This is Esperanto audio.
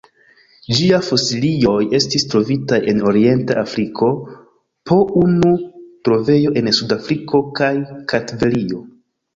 Ĝia fosilioj estis trovitaj en orienta Afriko, po unu trovejo en Sud-Afriko kaj Kartvelio.